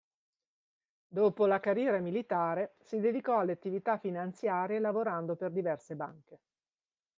Dopo la carriera militare, si dedicò alle attività finanziarie lavorando per diverse banche.